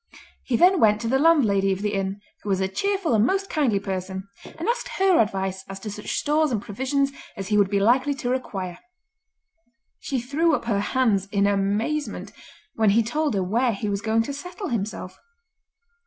He then went to the landlady of the inn, who was a cheerful and most kindly person, and asked her advice as to such stores and provisions as he would be likely to require. She threw up her hands in amazement when he told her where he was going to settle himself.